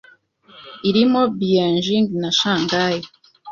irimo Beijing na Shangai